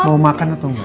mau makan atau enggak